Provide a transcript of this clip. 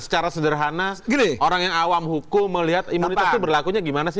secara sederhana orang yang awam hukum melihat imunitas itu berlakunya gimana sih